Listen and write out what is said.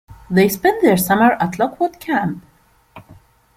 They spent their summer at Lockwood camp.